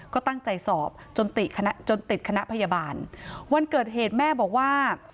ก็ตั้งใจสอบจนติดคณะจนติดคณะพยาบาลวันเกิดเหตุแม่บอกว่า